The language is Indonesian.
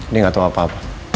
dia gak tau apa apa